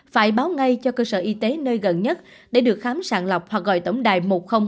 phải báo ngay cho cơ sở y tế nơi gần nhất để được khám sạn lọc hoặc gọi tổng đài một nghìn hai mươi hai